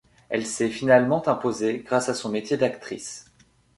Elle s'est finalement imposée grâce à son métier d'actrice.